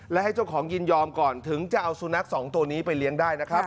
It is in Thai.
และให้เจ้าของยินยอมก่อนถึงจะเอาสุนัขสองตัวนี้ไปเลี้ยงได้นะครับ